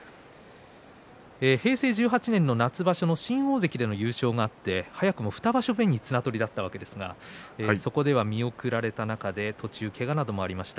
平成１８年の夏場所の新大関での優勝があって早くも２場所目に綱取りだったわけですが見送られて途中、けがなどもありました。